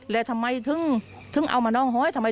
แล้วทำไมถึงเอามานึงเบาไห้